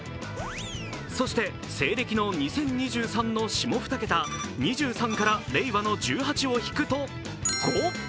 そして西暦の２０２３の下２桁２３かられいわの１８を引くと５。